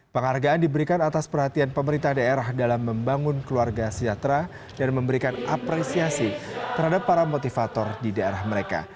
penghargaan diberikan atas perhatian pemerintah daerah dalam membangun keluarga sejahtera dan memberikan apresiasi terhadap para motivator di daerah mereka